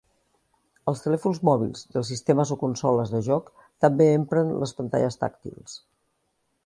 Els telèfons mòbils i els sistemes o consoles de joc també empren les pantalles tàctils.